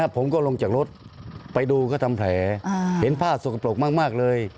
ผมก็ลงจากรถไปดูก็ทำแผลเห็นผ้าสกปรกมากเลย